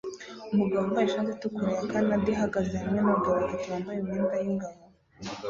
umugabo wambaye ishati itukura ya canada ihagaze hamwe nabagabo batatu bambaye imyenda yingabo